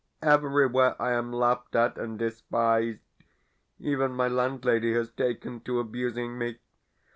Everywhere I am laughed at and despised. Even my landlady has taken to abusing me.